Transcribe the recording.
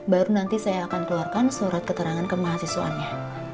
baru nanti saya akan keluarkan surat keterangan ke mahasiswaannya